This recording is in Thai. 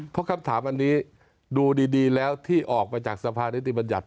เพราะคำถามอันนี้ดูดีแล้วที่ออกมาจากสภานิติบัญญัติ